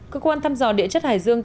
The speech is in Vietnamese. cơ quan thăm dò địa chất hải dương